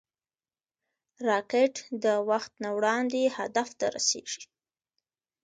راکټ د وخت نه وړاندې هدف ته رسېږي